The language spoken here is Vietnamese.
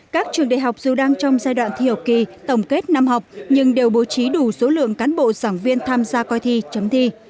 các trường đại học dù đang trong giai đoạn thi học kỳ tổng kết năm học nhưng đều bố trí đủ số lượng cán bộ giảng viên tham gia coi thi chấm thi